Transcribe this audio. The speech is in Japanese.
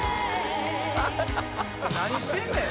「何してんねん！」